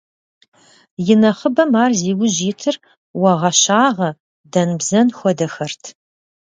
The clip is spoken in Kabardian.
И нэхъыбэм ар зи ужь итыр уагъэ-щагъэ, дэн-бзэн хуэдэхэрт.